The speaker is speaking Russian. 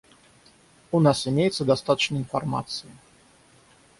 У нас имеется достаточно информации.